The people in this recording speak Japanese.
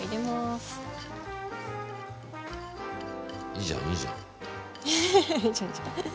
ウフフいいじゃんいいじゃん。